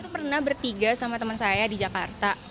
terus pernah bertiga sama temen saya di jakarta